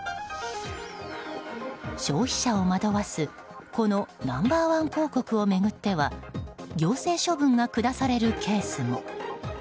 消費者を惑わすこのナンバー１広告を巡っては行政処分が下されるケースも。